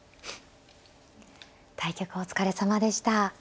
対局お疲れさまでした。